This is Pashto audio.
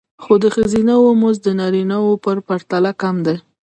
خو د ښځینه وو مزد د نارینه وو په پرتله کم دی